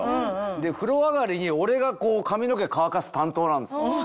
で風呂上がりに俺が髪の毛乾かす担当なんですよ。